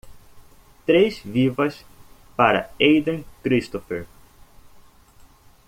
Três vivas para Aden Christopher.